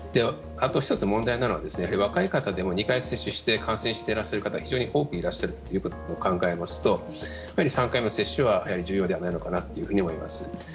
あと１つ問題なのが若い方でも２回接種して感染していらっしゃる方が非常に多くいらっしゃることを考えると３回目接種は重要ではないかと思います。